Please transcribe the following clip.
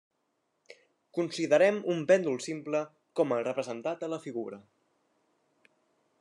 Considerem un pèndol simple, com el representat a la Figura.